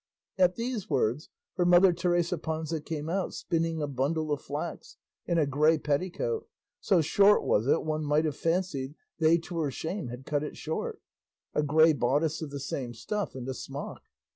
At these words her mother Teresa Panza came out spinning a bundle of flax, in a grey petticoat (so short was it one would have fancied "they to her shame had cut it short"), a grey bodice of the same stuff, and a smock.